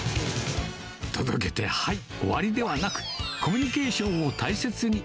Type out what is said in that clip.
届けて、はい、終わりではなく、コミュニケーションを大切に。